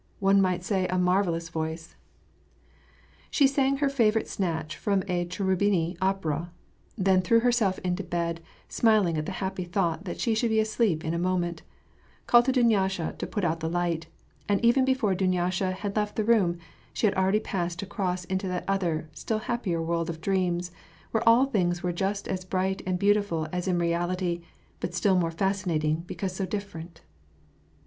One might say, a marvellous voice !" She sang her favorite snatch from a Cherubini opera, then threw herself into bed, smiling at the happy thought that she should be asleep in a moment, called to Dunyasha to put out the light ; and even before Dunyasha had left the room, she had already passed across into that other, still happier world of dreams, where all things were just as bright and beautiful as in reality, but still more fascinating, because so different.